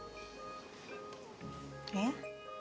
えっ？